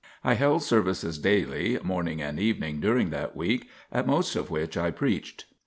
I held services daily, morning and evening, during that week, at most of which I preached.